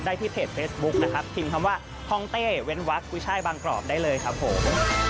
ที่เพจเฟซบุ๊คนะครับพิมพ์คำว่าฮ่องเต้เว้นวักกุ้ยช่ายบางกรอบได้เลยครับผม